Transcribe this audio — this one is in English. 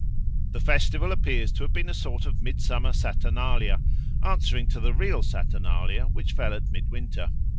The festival appears to have been a sort of Midsummer Saturnalia answering to the real Saturnalia which fell at Midwinter.